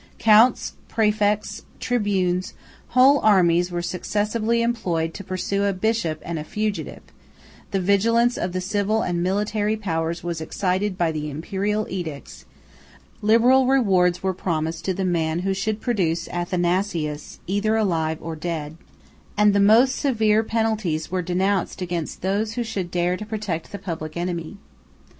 Counts, præfects, tribunes, whole armies, were successively employed to pursue a bishop and a fugitive; the vigilance of the civil and military powers was excited by the Imperial edicts; liberal rewards were promised to the man who should produce Athanasius, either alive or dead; and the most severe penalties were denounced against those who should dare to protect the public enemy.